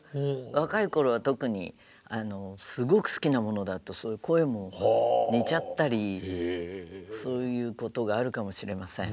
若い頃は特にすごく好きなものだと声も似ちゃったりそういうことがあるかもしれません。